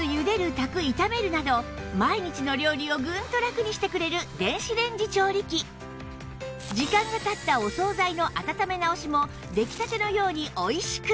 炊く炒めるなど毎日の料理をグンとラクにしてくれる電子レンジ調理器時間が経ったお総菜の温め直しも出来たてのようにおいしく！